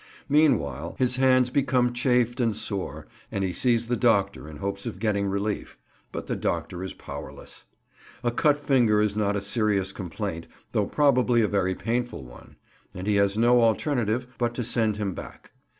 Meanwhile his hands become chafed and sore, and he sees the doctor in hopes of getting relief; but the doctor is powerless. A cut finger is not a serious complaint though probably a very painful one; and he has no alternative but to send him back.